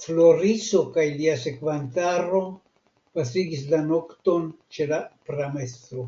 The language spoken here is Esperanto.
Floriso kaj lia sekvantaro pasigis la nokton ĉe la pramestro.